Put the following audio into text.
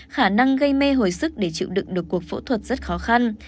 khả năng gây mê hồi sức để chịu đựng được cuộc phẫu thuật rất khó khăn